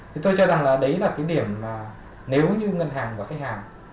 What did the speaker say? thì tôi cho rằng là đấy là cái điểm mà nếu như ngân hàng và khách hàng